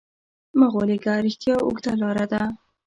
مه غولېږه، رښتیا اوږده لاره لري.